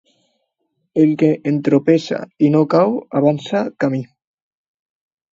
El que entropessa i no cau, avança camí.